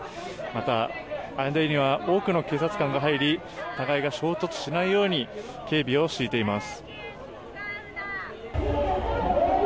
また、間には多くの警察官が入り互いが衝突しないように警備を敷いています。